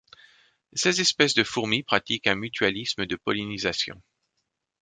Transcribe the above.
Seize espèces de fourmis pratiquent un mutualisme de pollinisation.